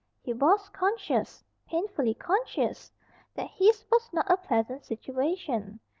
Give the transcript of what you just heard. He was conscious painfully conscious! that his was not a pleasant situation.